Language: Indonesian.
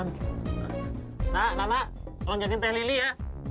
nana nana tolong jadikan teh lili ya